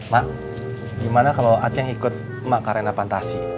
mak gimana kalau atsheng ikut makarena pantasi